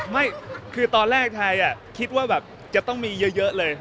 เมื่อล่ะใช่ฉะนั้นฉันคิดว่าจะต้องมีเยอะเลย